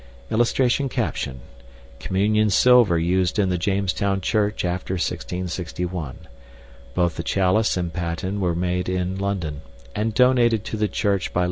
[Illustration: COMMUNION SILVER USED IN THE JAMESTOWN CHURCH AFTER 1661. BOTH THE CHALICE AND PATEN WERE MADE IN LONDON, AND DONATED TO THE CHURCH BY LT.